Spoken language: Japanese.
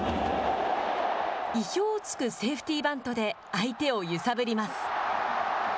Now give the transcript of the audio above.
意表を突くセーフティーバントで相手を揺さぶります。